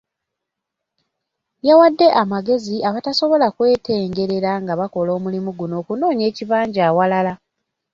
Yawadde amagezi abatasobola kwetengerera nga bakola omulimu guno okunoonya ekibanja awalala.